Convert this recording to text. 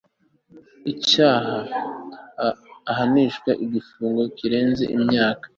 icyaha ahanishwa igifungo kirenze imyaka